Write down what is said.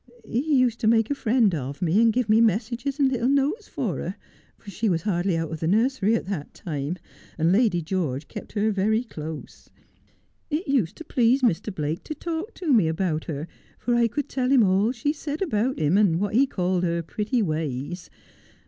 He used to make a friend of me, and give me messages and little notes for her, for she was hardly out of the nursery at that time, and Lady George kept her very close. It used to please Mr. Blake to talk to me about her, for I could tell him all she said about him, and what he called her pretty ways.